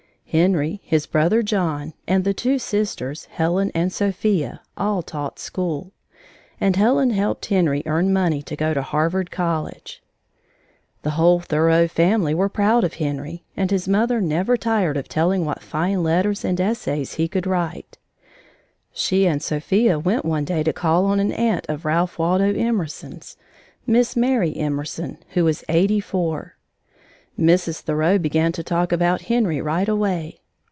Henry, his brother John, and the two sisters, Helen and Sophia, all taught school. And Helen helped Henry earn money to go to Harvard College. The whole Thoreau family were proud of Henry, and his mother never tired of telling what fine letters and essays he could write. She and Sophia went one day to call on an aunt of Ralph Waldo Emerson's, Miss Mary Emerson, who was eighty four. Mrs. Thoreau began to talk about Henry right away.